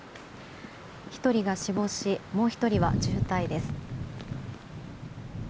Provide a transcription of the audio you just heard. １人が死亡しもう１人は重体です。